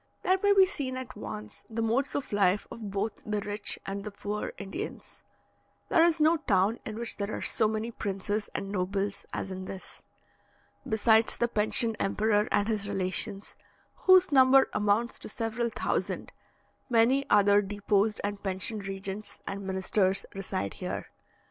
There may be seen at once the modes of life of both the rich and the poor Indians. There is no town in which there are so many princes and nobles as in this. Besides the pensioned emperor and his relations, whose number amounts to several thousand, many other deposed and pensioned regents and ministers reside here.